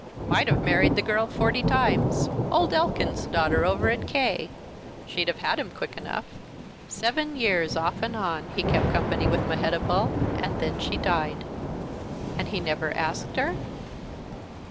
Might have married the girl forty times. Old Elkins's daughter, over at K . She'd have had him quick enough. Seven years, off and on, he kept company with Mehetabel, and then she died." "And he never asked her?"